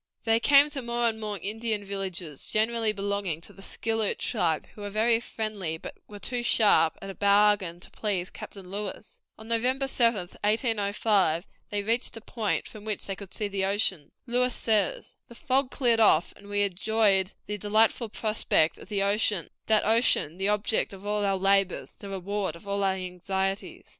They came to more and more Indian villages, generally belonging to the Skilloot tribe, who were very friendly, but who were too sharp at a bargain to please Captain Lewis. On November 7, 1805, they reached a point from which they could see the ocean. Lewis says: "The fog cleared off, and we enjoyed the delightful prospect of the ocean that ocean, the object of all our labors, the reward of all our anxieties.